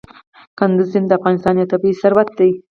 کندز سیند د افغانستان یو طبعي ثروت دی.